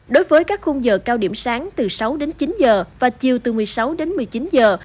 đối với các khung giờ cao điểm sáng từ sáu đến chín giờ và chiều từ một mươi sáu đến một mươi chín giờ